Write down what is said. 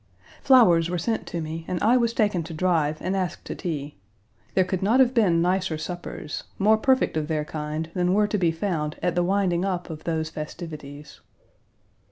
Flowers were sent to me, and I was taken to drive and asked to tea. There could not have been nicer suppers, more perfect of their Page 167 kind than were to be found at the winding up of those festivities.